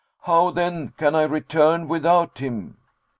How then can I return without him?'"